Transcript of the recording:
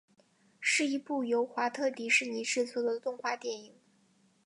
是一部由华特迪士尼制作的动画电影。